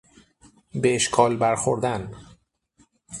به اشکال برخوردن